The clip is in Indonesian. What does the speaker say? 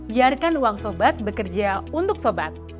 biarkan uang sobat bekerja untuk sobat